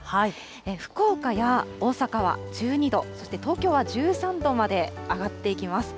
福岡や大阪は１２度、そして東京は１３度まで上がっていきます。